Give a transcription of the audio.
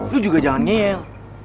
lo juga jangan ngeyel